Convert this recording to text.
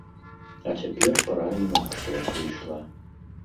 А цяпер пара інакшая прыйшла.